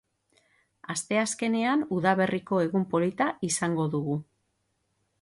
Asteazkenean udaberriko egun polita izango dugu.